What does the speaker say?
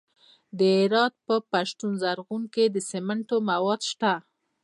د هرات په پشتون زرغون کې د سمنټو مواد شته.